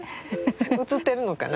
うつってるのかな。